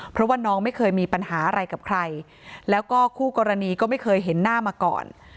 เพราะว่าน้องไม่เคยมีปัญหาอะไรกับใครแล้วก็คู่กรณีก็ไม่เคยเห็นหน้ามาก่อน